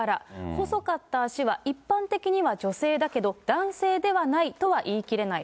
細かったあしは一般的には女性だけど、男性ではないとは言い切れない。